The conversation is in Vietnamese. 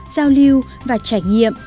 giao lưu và trải nghiệm